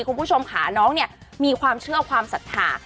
คุณผู้ชมค่ะน้องเนี่ยมีความเชื่อความศรัทธา